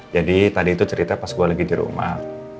jadi tadi itu cerita pas gue lagi di rumah